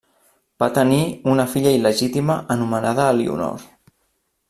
Va tenir una filla il·legítima anomenada Elionor.